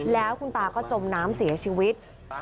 แล้วคุณตาก็จมน้ำเสียชีวิต